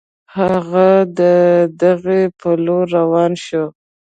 هغه د هغې په لور روان شو